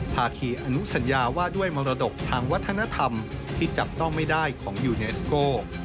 ภาคีอนุสัญญาว่าด้วยมรดกทางวัฒนธรรมที่จับต้องไม่ได้ของยูเนสโก